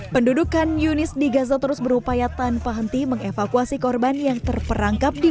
penduduk kan yunis di gaza terus berupaya tanpa henti mengevakuasi korban yang terperangkap di